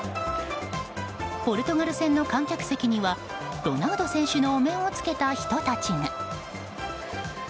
ポルトガル戦の観客席にはロナウド選手のお面をつけた人たちが。